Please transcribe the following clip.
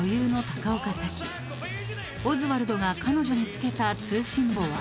［オズワルドが彼女に付けた通信簿は？］